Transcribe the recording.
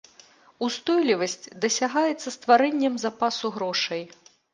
Устойлівасць дасягаецца стварэннем запасу грошай.